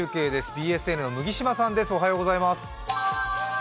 ＢＳＮの麦島さんです。